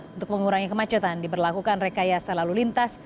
untuk mengurangi kemacetan diberlakukan rekaya selalu lintas